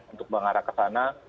untuk mengarah ke sana